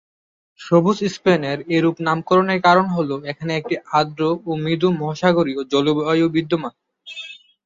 সবুজ স্পেনের এরূপ নামকরণের কারণ হল এখানে একটি আর্দ্র ও মৃদু মহাসাগরীয় জলবায়ু বিদ্যমান।